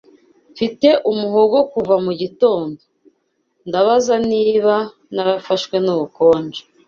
Mfite umuhogo kuva mu gitondo. Ndabaza niba narafashwe n'ubukonje.